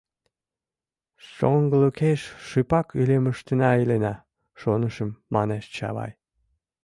— Шоҥгылыкеш шыпак илемыштына илена, шонышым, — манеш Чавай.